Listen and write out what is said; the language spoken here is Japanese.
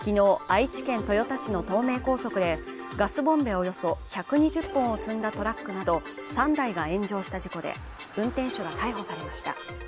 愛知県豊田市の東名高速でガスボンベおよそ１２０本を積んだトラックなど３台が炎上した事故で運転手が逮捕されました